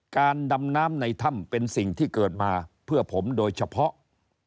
การดำน้ำในถ้ำเป็นสิ่งที่เกิดมาเพื่อผมโดยเฉพาะ